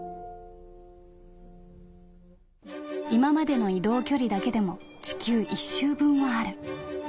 「今までの移動距離だけでも地球一周分はある。